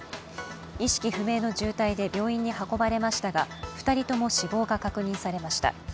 意識不明の重体で病院に運ばれましたが２人とも死亡が確認されました。